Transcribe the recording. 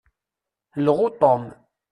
Lɣu Tom.